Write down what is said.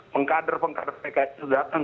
pengkader pengkader pkc datang